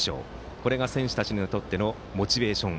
これが選手たちにとってのモチベーション